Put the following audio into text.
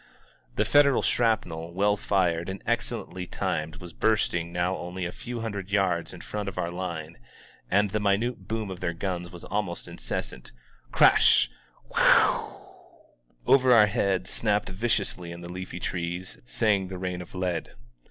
The Federal shrapnel, well fired and excellently timed, was bursting now only a few hundred yards in front of our line, and the minute boom of their guns was almost incessanL Crash — ^Wheeeeaa! Over our heads, snapping viciously in the leafy trees, sang the rain of lead.